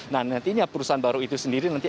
nah nantinya perusahaan baru itu sendiri nanti